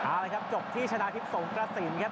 เอาละครับจบที่ชนะทิพย์สงกระสินครับ